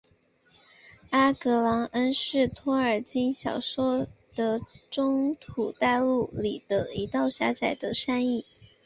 阿格朗恩是托尔金小说的中土大陆里的一道狭窄的山隘。